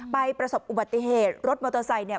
ไปประสบอุบัติเหตุรถมอเตอร์ไซค์